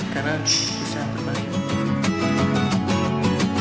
karena bisa berbahaya